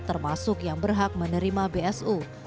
termasuk yang berhak menerima bsu